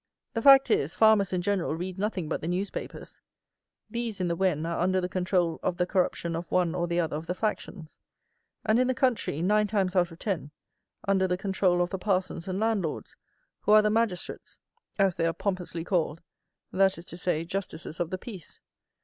The fact is, farmers in general read nothing but the newspapers; these, in the Wen, are under the control of the Corruption of one or the other of the factions; and in the country, nine times out of ten, under the control of the parsons and landlords, who are the magistrates, as they are pompously called, that is to say, Justices of the Peace.